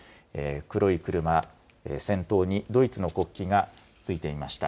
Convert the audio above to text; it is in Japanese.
黒い車、先頭にドイツの国旗がついていました。